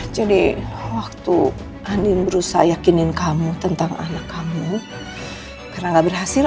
jadi waktu andin berusaha yakinin kamu tentang anak kamu karena nggak berhasil